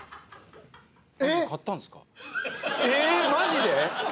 ええマジで？